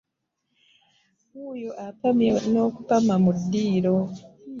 Wuuyo apamye n'okupama mu ddiiro!